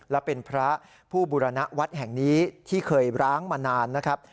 และเป็นพระผู้บุรณวัดแห่งนี้ที่เคยร้างมานานนะครับ